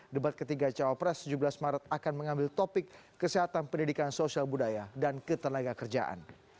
debat ketiga cawapres tujuh belas maret akan mengambil topik kesehatan pendidikan sosial budaya dan ketenaga kerjaan